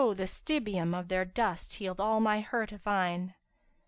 the stibium[FN#350] of their dust healed all my hurt of eyne.